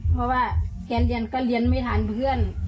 เพราะว่าแฟนเรียนก็เรียนไม่ทันเพื่อน